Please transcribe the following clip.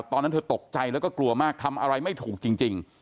ตอนนั้นเธอตกใจแล้วก็กลัวมากทำอะไรไม่ถูกจริง